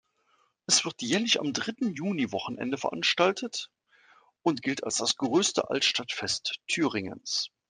Es wird jährlich am dritten Juniwochenende veranstaltet und gilt als das größte Altstadtfest Thüringens.